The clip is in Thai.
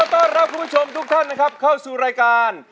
ต้อนรับคุณผู้ชมทุกท่านนะครับเข้าสู่รายการ